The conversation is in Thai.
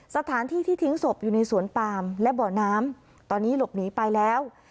สถานที่ที่ทิ้งศพอยู่ในสวนปามและบ่อน้ำตอนนี้หลบหนีไปแล้ว